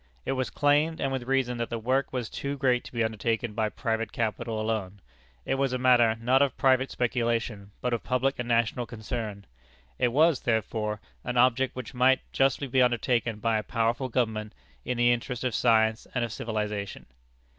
It was claimed, and with reason, that the work was too great to be undertaken by private capital alone. It was a matter, not of private speculation, but of public and national concern. It was, therefore, an object which might justly be undertaken by a powerful government, in the interest of science and of civilization.